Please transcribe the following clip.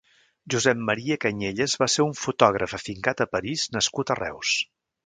Josep Maria Cañellas va ser un fotògraf afincat a París nascut a Reus.